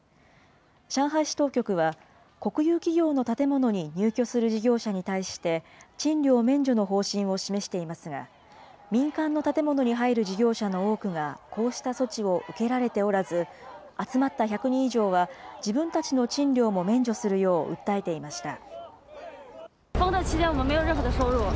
上海市当局は、国有企業の建物に入居する事業者に対して、賃料免除の方針を示していますが、民間の建物に入る事業者の多くが、こうした措置を受けられておらず、集まった１００人以上は、自分たちの賃料も免除するよう訴えていました。